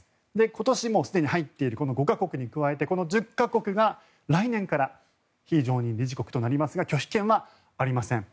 今年もうすでに入っているこの５か国に加えてこの１０か国が来年から非常任理事国となりますが拒否権はありません。